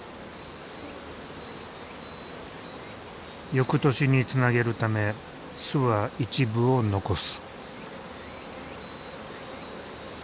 翌年につなげるため巣は一部を残す。